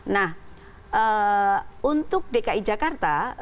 nah untuk dki jakarta